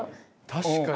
確かに。